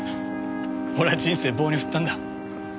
俺は人生を棒に振ったんだ。